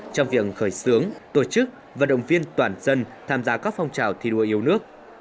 trong việc khởi xướng tổ chức và động viên toàn dân tham gia các phong trào thi đua yêu nước